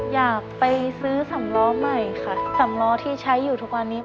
อยากไปซื้อสำล้อใหม่ค่ะสำล้อที่ใช้อยู่ทุกวันนี้